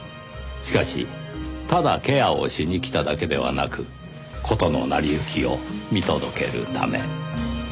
しかしただケアをしに来ただけではなく事の成り行きを見届けるため。